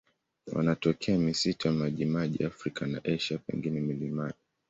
Wanatokea misitu ya majimaji ya Afrika na Asia, pengine milimani.